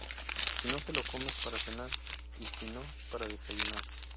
Si no te lo comes, para cenar y si no, para desayunar